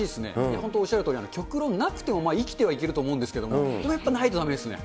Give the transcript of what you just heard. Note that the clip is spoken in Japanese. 本当おっしゃるとおり、極論、なくても生きてはいけると思うんですけれども、でもやっぱりないとだめですね。